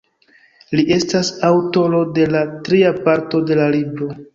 Li estas aŭtoro de la tria parto de la libro.